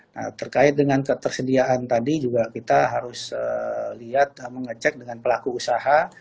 nah terkait dengan ketersediaan tadi juga kita harus lihat mengecek dengan pelaku usaha